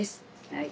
はい。